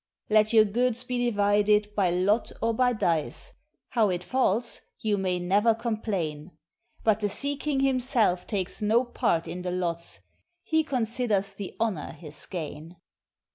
"Let your goods he divided by lot or by dice, how it falls you may never complain; But the sea king himself takes no part in the lots, he considers the honor his gain.